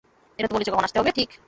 এটা তো বলেছে কখন আসতে হবে, ঠিক?